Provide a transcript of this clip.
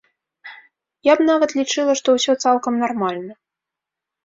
Я б нават лічыла, што ўсё цалкам нармальна.